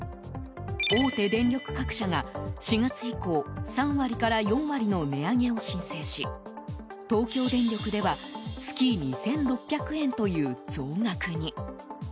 大手電力各社が４月以降３割から４割の値上げを申請し東京電力では月２６００円という増額に。